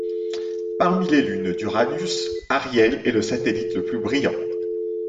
Parmi les lunes d'Uranus, Ariel est le satellite le plus brillant.